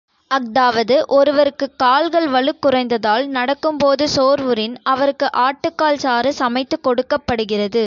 அஃதாவது ஒருவருக்குக் கால்கள் வலுக் குறைந்ததால் நடக்கும் போது சோர்வுறின், அவருக்கு ஆட்டுக் கால் சாறு சமைத்துக் கொடுக்கப்படுகிறது.